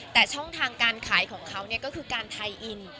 แต่ช่องทางการขายของเขาก็คือการไทยอิน